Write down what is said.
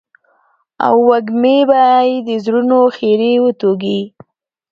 او وږمې به يې د زړونو خيري وتوږي.